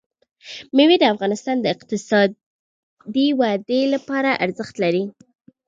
مېوې د افغانستان د اقتصادي ودې لپاره ارزښت لري.